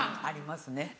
ありますね。